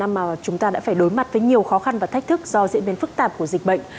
mà chúng ta đã phải đối mặt với nhiều khó khăn và thách thức do diễn biến phức tạp của dịch bệnh